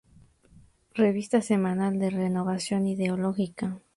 Revista semanal de renovación ideológica.